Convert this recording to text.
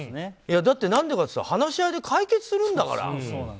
だって何でかって言ったら話し合いで解決するんだから。